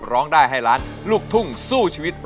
ร้องได้ให้ล้านลูกทุ่งสู้ชีวิต